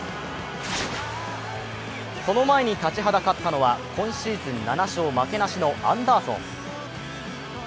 その前に立ちはだかったのは今シーズン７勝・負けなしのアンダーソン。